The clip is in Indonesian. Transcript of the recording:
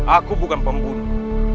aku bukan pembunuh